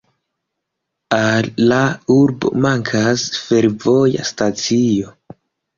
Al la urbo mankas fervoja stacio.